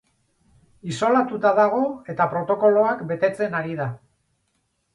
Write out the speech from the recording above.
Isolatuta dago eta protokoloak betetzen ari da.